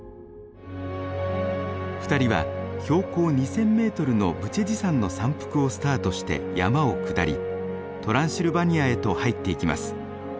２人は標高２，０００メートルのブチェジ山の山腹をスタートして山を下りトランシルバニアへと入っていきます。